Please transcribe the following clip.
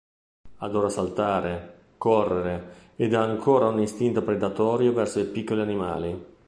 Adora saltare, correre ed ha ancora un istinto predatorio verso i piccoli animali.